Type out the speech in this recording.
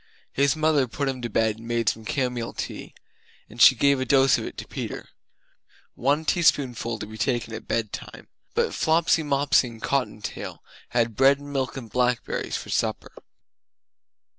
His mother put him to bed and made some camomile tea; and she gave a dose of it to Peter! "One teaspoonful to be taken at bedtime." But Flopsy, Mopsy and Cottontail had bread and milk and blackberries for supper.